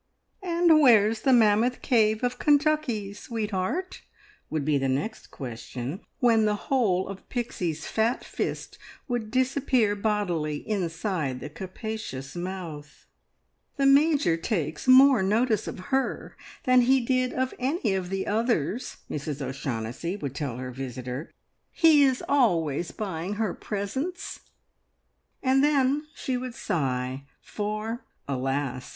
"And where's the Mammoth Cave of Kentucky, sweetheart?" would be the next question, when the whole of Pixie's fat fist would disappear bodily inside the capacious mouth. "The Major takes more notice of her than he did of any of the others," Mrs O'Shaughnessy would tell her visitor. "He is always buying her presents!" And then she would sigh, for, alas!